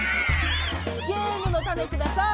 ゲームのタネください。